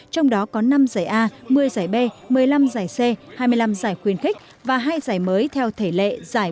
trong đó có năm giải a một mươi giải b một mươi năm giải c hai mươi năm giải khuyên khích và hai giải mới theo thể lệ giải